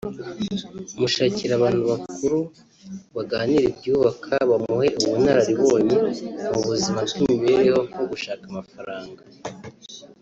mushakire abantu bakuru baganire ibyubaka bamuhe ubunararibonyemubuzima bwimibereho nko gushaka amafaranga